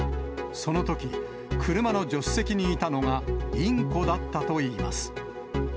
そのとき、車の助手席にいたのがインコだったといいます。